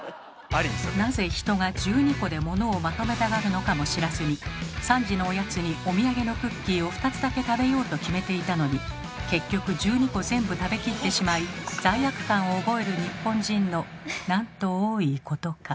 なぜ人が１２個で物をまとめたがるのかも知らずに「３時のおやつにお土産のクッキーを２つだけ食べよう」と決めていたのに結局１２個全部食べきってしまい罪悪感を覚える日本人のなんと多いことか。